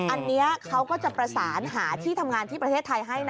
อันนี้เขาก็จะประสานหาที่ทำงานที่ประเทศไทยให้นะ